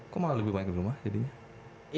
kok malah lebih banyak di rumah jadinya